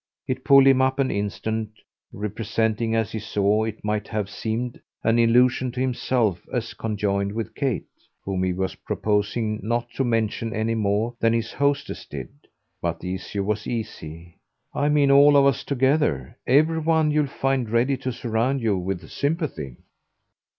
It pulled him up an instant representing, as he saw it might have seemed, an allusion to himself as conjoined with Kate, whom he was proposing not to mention any more than his hostess did. But the issue was easy. "I mean all of us together, every one you'll find ready to surround you with sympathy."